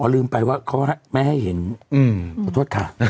ลืมไปว่าเขาไม่ให้เห็นขอโทษค่ะ